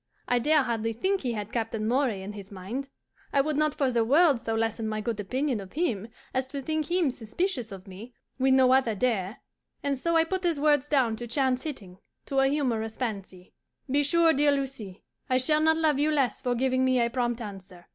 I dare hardly think he had Captain Moray in his mind. I would not for the world so lessen my good opinion of him as to think him suspicious of me when no other dare; and so I put his words down to chance hitting, to a humorous fancy. Be sure, dear Lucie, I shall not love you less for giving me a prompt answer.